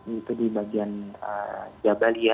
itu di bagian jabalia